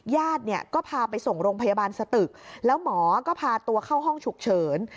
ญาติเนี่ยก็พาไปส่งโรงพยาบาลสตึกแล้วหมอก็พาตัวเข้าห้องฉุกเฉิน